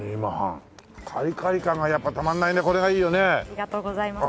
ありがとうございます。